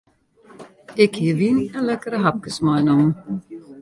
Ik hie wyn en lekkere hapkes meinommen.